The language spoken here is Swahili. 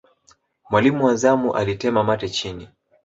mwalimu wa zamu alitema mate chini